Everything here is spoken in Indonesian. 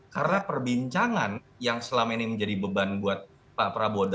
karena perbincangan yang selama ini menjadi beban buat pak prabowo dan tim